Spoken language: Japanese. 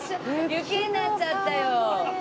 雪になっちゃったよ。